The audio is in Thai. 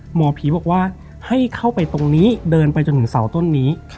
หมอผีบอกว่าให้เข้าไปตรงนี้เดินไปจนถึงเสาต้นนี้